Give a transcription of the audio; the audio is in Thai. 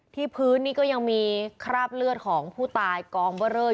ที่พื้นนี่ก็ยังมีคราบเลือดของผู้ตายกองเบอร์เรอร์